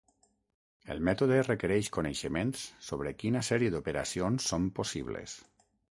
El mètode requereix coneixements sobre quina sèrie d'operacions són possibles.